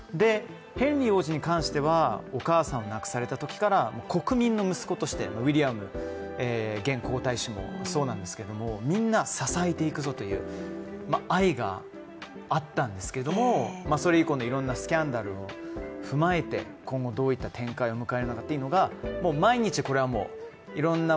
ヘンリー王子に関してはお母さんを亡くされたときから国民の息子としてウィリアム現皇太子もそうなんですけど、みんな支えていくぞという愛があったんですけれどもそれ以降のいろいろなスキャンダルを踏まえて今後どういった展開を迎えるのかというのが毎日これはいろんなＬＩＮＥ